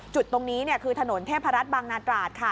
จุดตรงนี้คือถนนเทพรัฐบางนาตราดค่ะ